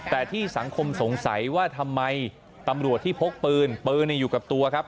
แต่ที่สังคมสงสัยว่าทำไมตำรวจที่พกปืนปืนอยู่กับตัวครับ